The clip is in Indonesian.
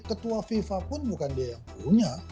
ketua fifa pun bukan dia yang punya